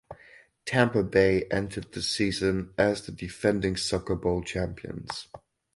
Tampa Bay entered the season as the defending Soccer Bowl champions.